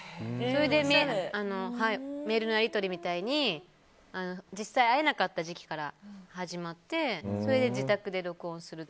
それでメールのやり取りみたいに実際、会えなかった時期から始まってすげー！